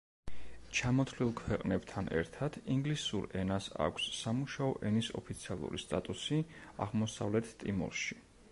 ჩამოთვლილ ქვეყნებთან ერთად, ინგლისურ ენას აქვს სამუშაო ენის ოფიციალური სტატუსი აღმოსავლეთ ტიმორში.